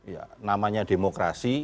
ya namanya demokrasi